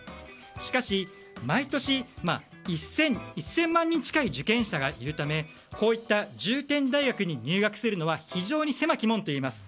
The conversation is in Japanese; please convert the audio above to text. しかし、毎年１０００万人近くの受験者がいるためこういった重点大学に入学するのは非常に狭き門といえます。